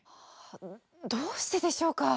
どうしてでしょうか？